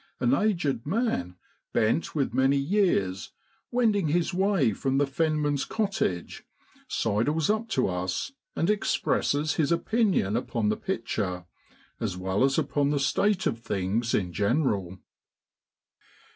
An aged man, bent with many years, wending his way from the fenman's cottage, sidles up to us and expresses his opinion upon the picture, as well as upon the state of things in general.